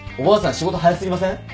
仕事早過ぎません？